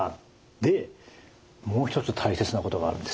でもう一つ大切なことがあるんですね。